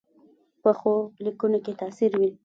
پخو لیکنو کې تاثیر وي